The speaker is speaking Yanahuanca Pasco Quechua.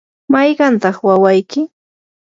¿mayqantaq wawayki?